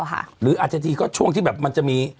หรืออาจจะทีก็ช่วงที่แบบมันจะมี